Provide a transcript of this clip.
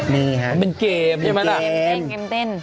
นี่ฮะเป็นเกมใช่ไหมล่ะเกมเกมเต้น